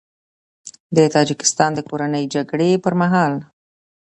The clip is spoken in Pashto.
د تاجیکستان د کورنۍ جګړې پر مهال